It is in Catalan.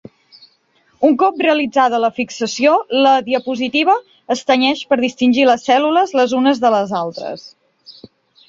Un cop realitzada la fixació, la diapositiva es tenyeix per distingir les cèl·lules les unes de les altres.